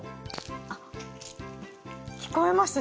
あっ聞こえました？